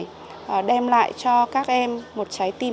chúng tôi mong muốn đem lại cho các em một trái tim